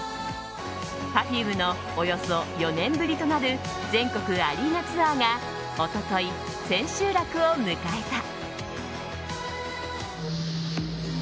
Ｐｅｒｆｕｍｅのおよそ４年ぶりとなる全国アリーナツアーが一昨日、千秋楽を迎えた。